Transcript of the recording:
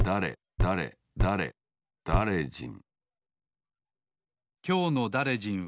「だれだれだれじん」